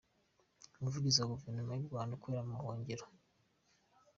Umuvugizi wa Guverinoma y’u Rwanda ikorera mu buhungiro